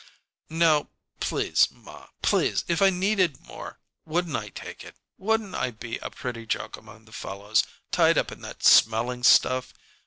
"Now, please, ma please! If I needed more, wouldn't I take it? Wouldn't I be a pretty joke among the fellows, tied up in that smelling stuff!